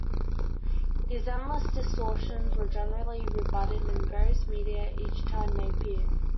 These endless distortions were generally rebutted in various media each time they appeared.